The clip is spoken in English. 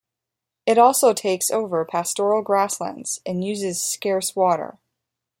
It also takes over pastoral grasslands and uses scarce water.